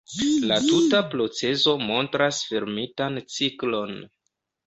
La tuta procezo montras fermitan ciklon.